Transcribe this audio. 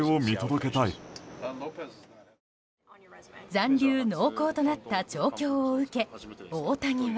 残留濃厚となった状況を受け大谷は。